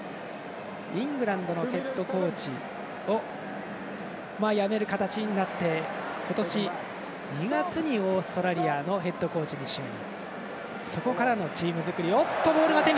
イングランドのヘッドコーチを辞める形になって今年２月にオーストラリアのヘッドコーチに就任。